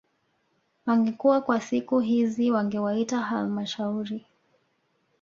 Wangekuwa kwa siku hizi wangewaita halmashauri